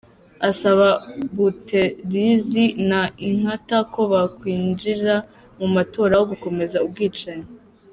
Asaba Buthelezi na Inkatha ko bakwinjira mu matora aho gukomeza ubwicanyi.